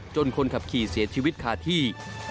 คนขับขี่เสียชีวิตคาที่